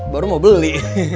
baru mau beli